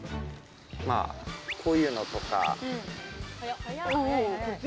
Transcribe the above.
こういうのとか。